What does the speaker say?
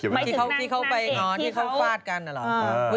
ที่เขาไปฟาดกันหรอ